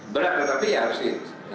berat tetapi ya harusnya